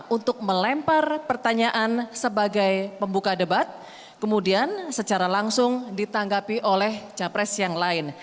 untuk melempar pertanyaan sebagai pembuka debat kemudian secara langsung ditanggapi oleh capres yang lain